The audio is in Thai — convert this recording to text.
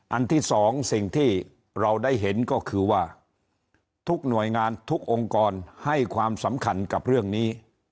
อันที่สองสิ่งที่เราได้เห็นก็คือว่าทุกหน่วยงานทุกองค์กรให้ความสำคัญกับเรื่องนี้